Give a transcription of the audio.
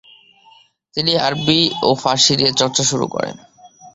তিনি আরবি ও ফার্সি নিয়েও চর্চা শুরু করেন।